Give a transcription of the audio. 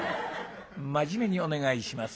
真面目にお願いします。